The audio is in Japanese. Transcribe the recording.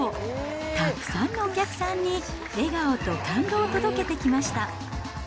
たくさんのお客さんに笑顔と感動を届けてきました。